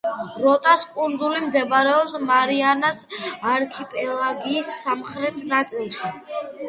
როტას კუნძული მდებარეობს მარიანას არქიპელაგის სამხრეთ ნაწილში.